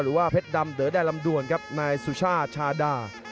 หรือว่าเพชรดำเดอแดนลำดวนครับนายสุชาติชาดา